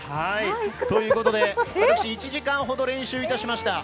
ということで私１時間ほど練習しました。